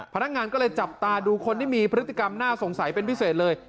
พนักงานก็เลยจับตาดูคนที่มีพฤติกรรมน่าสงสัยเป็นพิเศษเลย